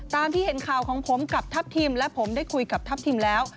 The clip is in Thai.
ที่เห็นข่าวของผมกับทัพทิมและผมได้คุยกับทัพทิมแล้ว